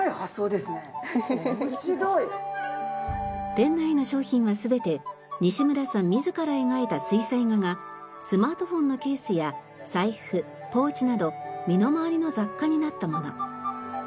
店内の商品は全て西村さん自ら描いた水彩画がスマートフォンのケースや財布ポーチなど身の回りの雑貨になったもの。